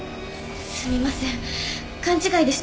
すみません勘違いでした。